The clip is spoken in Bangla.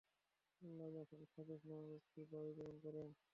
আল্লাহ্ তখন খাজুজ নামক একটি বায়ু প্রেরণ করেন।